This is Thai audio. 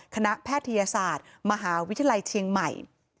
แพทยศาสตร์มหาวิทยาลัยเชียงใหม่